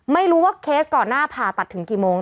ไม่รู้ว่าเคสก่อนหน้าผ่าตัดถึงกี่โมง